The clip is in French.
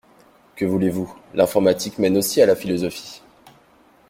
Que voulez-vous, l’informatique mène aussi à la philosophie!